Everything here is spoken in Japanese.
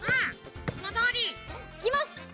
いつもどおり！いきます！